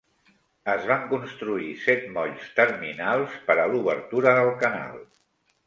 Es van construir set molls terminals per a l'obertura del canal.